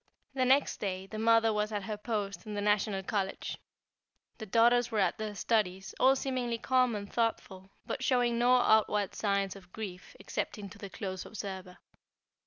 The next day the mother was at her post in the National College; the daughters were at their studies, all seemingly calm and thoughtful, but showing no outward signs of grief excepting to the close observer.